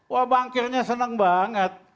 wah bankirnya seneng banget